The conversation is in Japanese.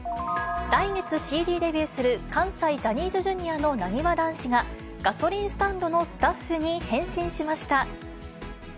来月ＣＤデビューする、関西ジャニーズＪｒ．のなにわ男子が、ガソリンスタンドのスタッフに変身しました。